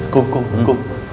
kuh kuh kuh